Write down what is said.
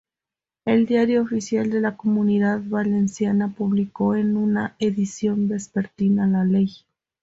El Diario Oficial de la Comunidad Valenciana publicó en una edición vespertina la ley.